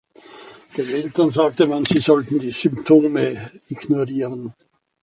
Den Eltern sagte man, sie sollen die Symptome ignorieren.